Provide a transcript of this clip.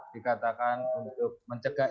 dikatakan untuk mencegah